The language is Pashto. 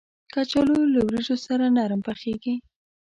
کچالو له وریجو سره نرم پخېږي